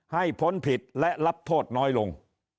พ้นผิดและรับโทษน้อยลง